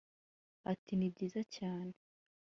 Ati “ Ni byiza cyane